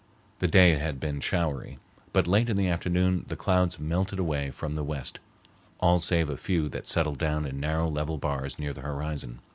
The day had been showery, but late in the afternoon the clouds melted away from the west, all save a few that settled down in narrow level bars near the horizon.